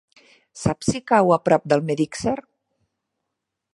Saps si cau a prop d'Almedíxer?